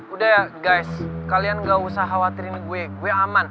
udah ya guys kalian gak usah khawatirin gue gue aman